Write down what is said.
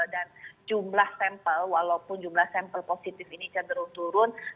jumlah sampel walaupun jumlah sampel positif ini cenderung turun